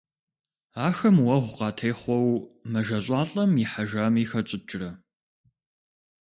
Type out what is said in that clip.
Ахэм уэгъу къатехъуэу мэжэщӀалӀэм ихьыжами, хэтщӀыкӀрэ?